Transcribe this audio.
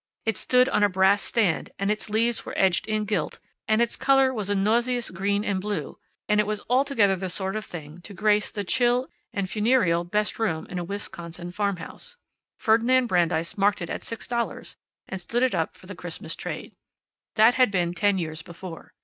It stood on a brass stand, and its leaves were edged in gilt, and its color was a nauseous green and blue, and it was altogether the sort of thing to grace the chill and funereal best room in a Wisconsin farmhouse. Ferdinand Brandeis marked it at six dollars and stood it up for the Christmas trade. That had been ten years before.